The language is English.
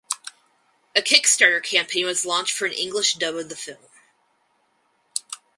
A Kickstarter campaign was launched for an English dub of the film.